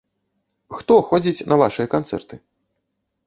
Хто ходзіць на вашыя канцэрты?